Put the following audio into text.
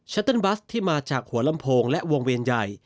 เติ้ลบัสที่มาจากหัวลำโพงและวงเวรใหญ่